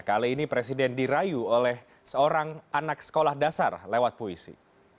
kali ini presiden dirayu oleh seorang anak sekolah dasar lewat puisi